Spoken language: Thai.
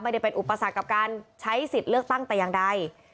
ไม่ได้เป็นอุปสรรคกับการใช้สิทธิ์เลือกตั้งแต่อย่างใด